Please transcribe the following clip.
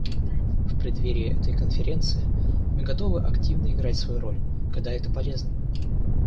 В преддверии этой конференции мы готовы активно играть свою роль, когда это полезно.